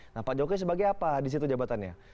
nah pak jokowi sebagai apa di situ jabatannya